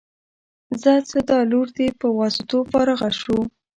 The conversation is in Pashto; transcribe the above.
ښه ځه دا لور دې په واسطو فارغه شو.